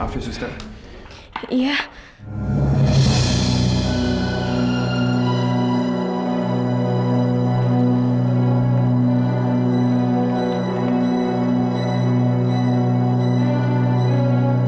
terima kasih zek